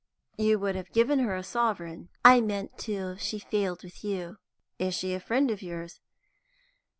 "You would have given her a sovereign?" "I meant to, if she'd failed with you." "Is she a friend of yours?"